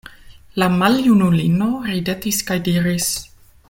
La maljunulino ridetis kaj diris: